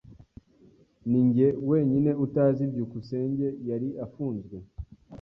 Ninjye wenyine utazi byukusenge yari afunzwe.